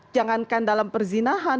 jangankan dalam perzinahan